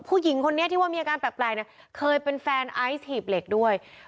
ผู้หญิงคนนี้ที่ว่ามีอาการแปลกเคยเป็นแฟนไอซ์หีบเหล็กด้วย